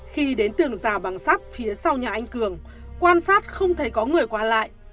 khi đến tường rào bằng sắt phía sau nhà anh cường quan sát không thấy có người qua lại